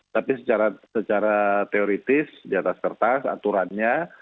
tapi secara teoritis di atas kertas aturannya